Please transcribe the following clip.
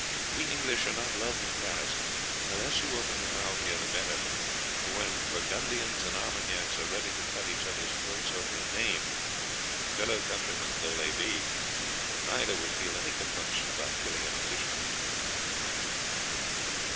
We English are not loved in Paris, and the less you open your mouth here the better; for when Burgundians and Armagnacs are ready to cut each other's throats over a name, fellow countrymen though they be, neither would feel any compunction about killing an Englishman."